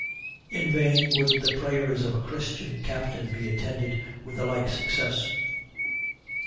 In vain would the prayers of a Christian captain be attended with the like success.